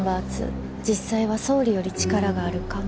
実際は総理より力があるかも？